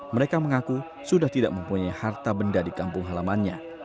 mereka mengaku sudah tidak mempunyai harta benda di kampung halamannya